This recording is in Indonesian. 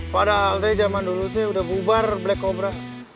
padahal itu zaman dulu sudah bubar black cobra